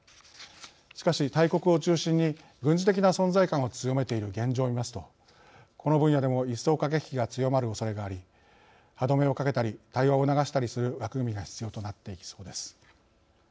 しかし大国を中心に軍事的な存在感を強めている現状をみますとこの分野でも一層駆け引きが強まるおそれがあり歯止めをかけたり対話を促したりする枠組みが必要となっていきそうです。